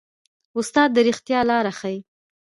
استاد د ریښتیا لاره ښيي.